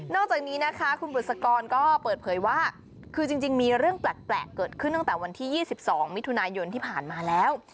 จากนี้นะคะคุณบุษกรก็เปิดเผยว่าคือจริงมีเรื่องแปลกเกิดขึ้นตั้งแต่วันที่๒๒มิถุนายนที่ผ่านมาแล้ว